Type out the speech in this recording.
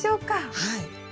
はい。